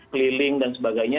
keliling dan sebagainya